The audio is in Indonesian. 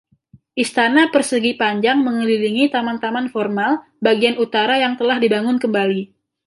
Istana persegi panjang mengelilingi taman-taman formal, bagian utara yang telah dibangun kembali.